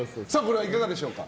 いかがでしょうか。